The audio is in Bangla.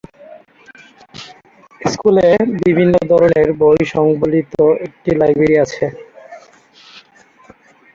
স্কুলে বিভিন্ন ধরনের বই সংবলিত একটি লাইব্রেরী আছে।